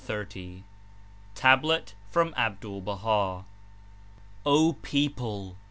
'^ 177 TABLET FROM ABDUL BAHA'. "O People!